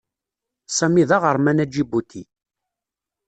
Sami d aɣerman aǧibuti.